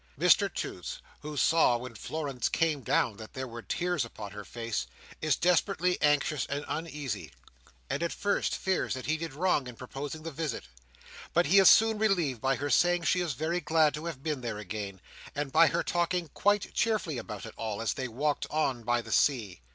Mr Toots, who saw when Florence came down that there were tears upon her face, is desperately anxious and uneasy, and at first fears that he did wrong in proposing the visit. But he is soon relieved by her saying she is very glad to have been there again, and by her talking quite cheerfully about it all, as they walked on by the sea.